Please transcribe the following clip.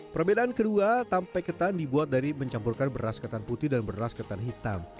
perbedaan kedua tampe ketan dibuat dari mencampurkan beras ketan putih dan beras ketan hitam